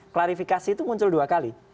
klarifikasi itu muncul dua kali